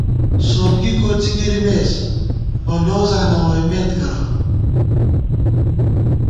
سوتگی کوڅی گِرِمېس، خو لوزاں نہ ووئیمېت کرہ